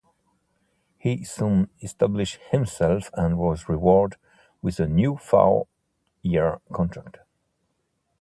He soon established himself and was rewarded with a new four-year contract.